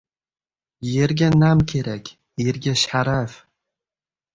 • Yerga nam kerak, erga — sharaf.